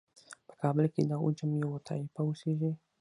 په کابل کې د عجم یوه طایفه اوسیږي.